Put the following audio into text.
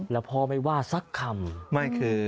แล้วพ่อไม่ว่าสักคำ